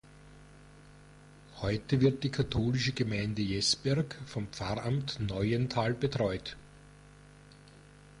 Heute wird die katholische Gemeinde Jesberg vom Pfarramt Neuental betreut.